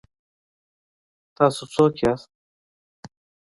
تاسو څوک یاست؟